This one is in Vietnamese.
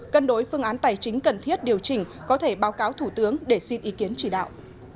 cân đối phương án tài chính cần thiết điều chỉnh có thể báo cáo thủ tướng để xin ý kiến chỉ đạo